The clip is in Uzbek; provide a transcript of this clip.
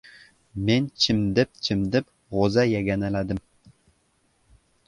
Men chimdib-chimdib g‘o‘za yaganaladim.